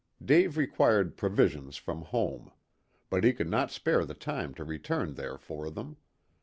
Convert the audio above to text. Dave required provisions from home. But he could not spare the time to return there for them.